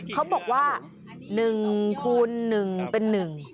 เค้าบอกว่า๑คูณ๑เป็น๑